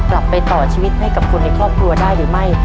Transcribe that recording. ไปต่อชีวิตให้กับคนในครอบครัวได้หรือไม่